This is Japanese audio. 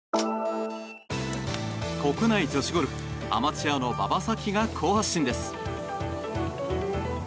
国内女子ゴルフアマチュアの馬場咲希が好発進です。